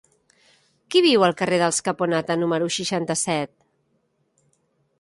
Qui viu al carrer dels Caponata número seixanta-set?